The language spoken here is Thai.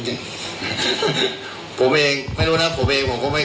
คือมันก็เป็นไปได้ว่ามันเป็นข่าวประจำ